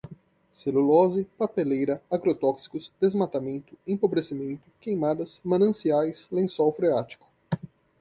celulose, papeleira, agrotóxicos, desmatamento, empobrecimento, queimadas, mananciais, lençol freático